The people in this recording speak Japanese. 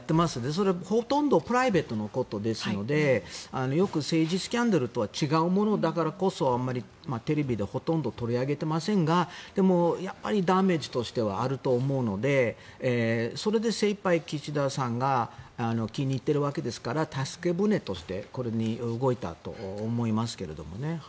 それがほとんどプライベートのことですのでよく、政治スキャンダルとは違うものだからこそあまりテレビでほとんど取り上げていませんがでも、やはりダメージとしてはあると思うのでそれで精いっぱい、岸田さんが気に入ってるわけですから助け舟としてこれに動いたと思いますけどね。